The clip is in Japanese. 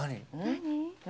何？